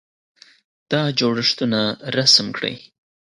دا جوړښتونه رسم کړئ.